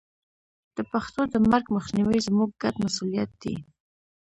د پښتو د مرګ مخنیوی زموږ ګډ مسوولیت دی.